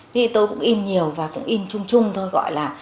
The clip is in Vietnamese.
thì tôi cũng in nhiều và cũng in chung chung thôi gọi là